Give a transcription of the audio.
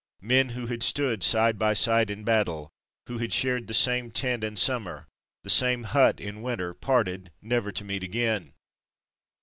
Men who had stood side by side in battle, who had shared the same tent in summer, the same hut in winter, parted, never to meet again.